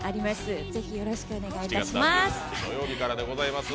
ぜひよろしくお願いいたします。